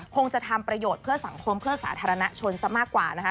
คงจะทำประโยชน์เพื่อสังคมเพื่อสาธารณชนซะมากกว่านะคะ